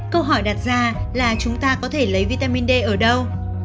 câu hỏi đặt ra là chúng ta có thể lấy vitamin d ở đâu